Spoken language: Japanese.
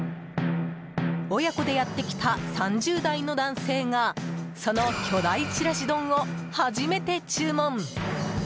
親子でやってきた３０代の男性がその巨大ちらし丼を初めて注文！